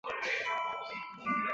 另有说法他是景文王庶子。